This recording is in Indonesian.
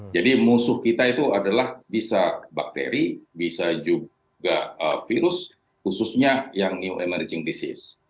musuh kita itu adalah bisa bakteri bisa juga virus khususnya yang new emerging disease